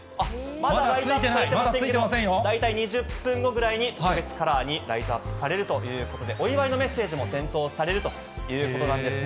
まだついてない、まだついて大体２０分後ぐらいに、特別カラーにライトアップされるということで、お祝いのメッセージも点灯されるということなんですね。